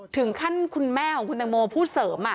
ถึงขั้นคุณแม่ของคุณแต่งโมผู้เสริม